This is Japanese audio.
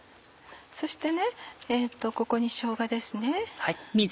そしてここにしょうがです。